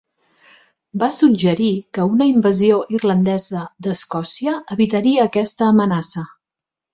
Va suggerir que una invasió irlandesa de Escòcia evitaria aquesta amenaça.